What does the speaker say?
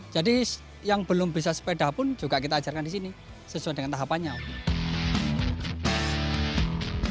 jadi yang belum bisa sepeda pun juga kita ajarkan disini sesuai dengan tahapannya um